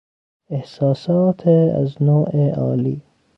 احساسات از نوع عالی